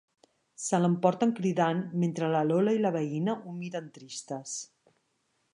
Se l'emporten cridant mentre la Lola i la veïna ho miren tristes.